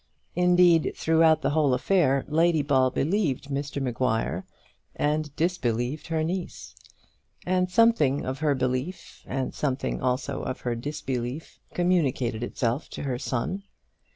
Indeed, throughout the whole affair, Lady Ball believed Mr Maguire, and disbelieved her niece; and something of her belief, and something also of her disbelief, communicated itself to her son.